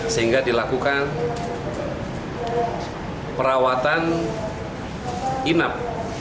sehingga dilakukan perawatan inap